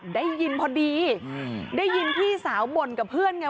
ได้ยินพอดีได้ยินพี่สาวบ่นกับเพื่อนไง